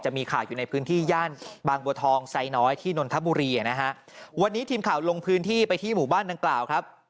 มีข่าวอยู่ในพื้นที่ย่านบางบัวทองไซน้อยที่นนทบุรีนะฮะวันนี้ทีมข่าวลงพื้นที่ไปที่หมู่บ้านดังกล่าวครับ